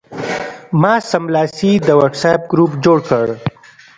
ما سملاسي د وټساپ ګروپ جوړ کړ.